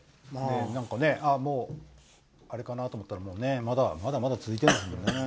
何か、もうあれかなと思ったらまだまだ続いてたんだね。